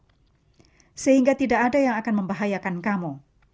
dan kuasa untuk menahan kekuatan musuh sehingga tidak ada yang akan membahayakan kamu